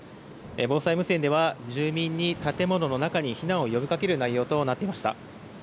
防災無線では、住民に建物の中に避難を呼びかける内容となっていました。